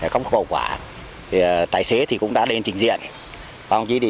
khó khổ quả tài xế thì cũng đã đến trình diện